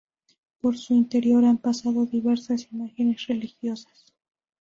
Por su interior han pasado diversas imágenes religiosas.